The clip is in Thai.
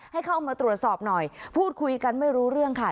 ให้เข้ามาตรวจสอบหน่อยพูดคุยกันไม่รู้เรื่องค่ะ